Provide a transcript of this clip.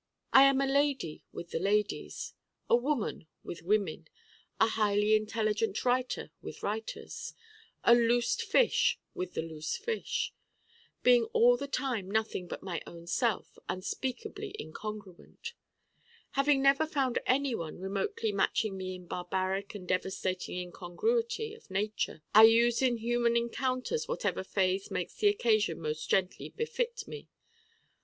I am a lady with the ladies, a woman with women, a highly intelligent writer with writers, a loosed fish with the loose fish: being all the time nothing but my own self, unspeakably incongruent. Having never found anyone remotely matching me in barbaric and devastating incongruity of nature I use in human encounters whatever phase makes the occasion most gently befit me.